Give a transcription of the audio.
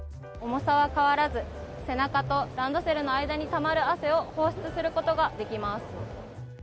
重さは変わらず、背中とランドセルの間にたまる汗を放出することができます。